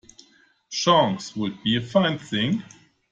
Chance would be a fine thing!